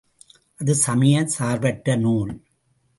அது சமயச் சார்பற்ற நூல்.